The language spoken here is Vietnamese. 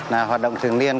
là hoạt động thường liên